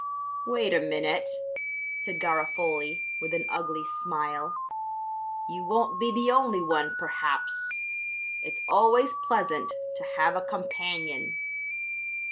"Wait a minute," said Garofoli, with an ugly smile; "you won't be the only one, perhaps; it's always pleasant to have a companion."